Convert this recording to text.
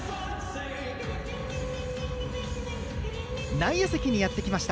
内野席にやって来ました。